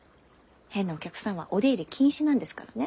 変なお客さんはお出入り禁止なんですからね。